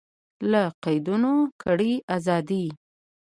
له قیدونو کړئ ازادي